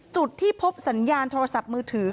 จุดที่พบสัญญาณโทรศัพท์มือถือ